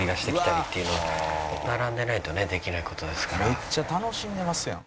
「めっちゃ楽しんでますやん。